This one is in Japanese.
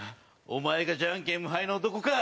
お前がジャンケン無敗の男か？